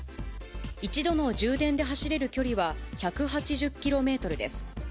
一度の充電で走れる距離は１８０キロメートルです。